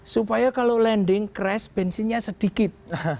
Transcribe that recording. supaya kalau landing crash bensinnya sedikit